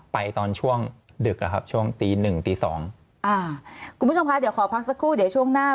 ตอนช่วงดึกอะครับช่วงตีหนึ่งตีสองอ่าคุณผู้ชมคะเดี๋ยวขอพักสักครู่เดี๋ยวช่วงหน้า